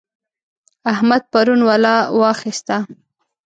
احمد پرون ولا واخيسته.